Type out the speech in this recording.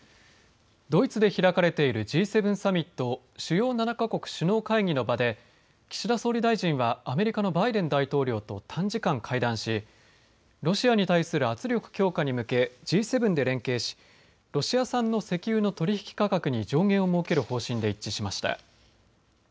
ドイツで開かれているＧ７サミット主要７か国首脳会議の場で岸田総理大臣はアメリカのバイデン大統領と短時間会談しロシアに対する圧力強化に向けＧ７で連携しロシア産の石油の取引価格に上限を設ける方針で一致しました。